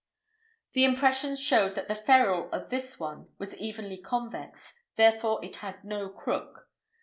The impressions showed that the ferrule of this one was evenly convex; therefore it had no crook.